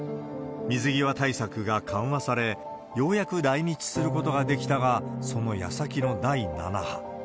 水際対策が緩和され、ようやく来日することができたが、そのやさきの第７波。